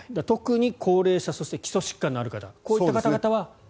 特に高齢者そして基礎疾患のある方こういった方は。